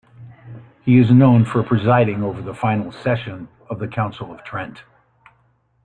He is known for presiding over the final session of the Council of Trent.